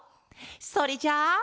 それじゃあ。